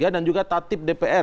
dan juga tatip dpr